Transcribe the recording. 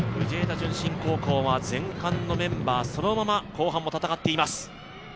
順心高校は前半のメンバーそのまま、後半も戦っています。